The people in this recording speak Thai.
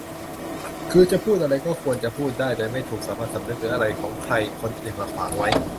คือจะพูดอะไรก็ควรจะพูดได้ โดยไม่ถูกสามัญสำนึกหรืออะไรของใครคนอื่นมาขวางไว้